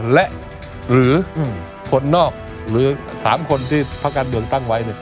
และหรือคนนอกหรือ๓คนที่ภาคการเมืองตั้งไว้